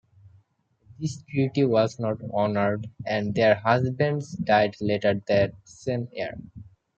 This treaty was not honored, and their husbands died later that same year.